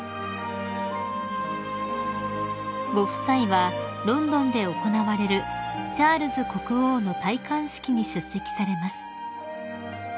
［ご夫妻はロンドンで行われるチャールズ国王の戴冠式に出席されます］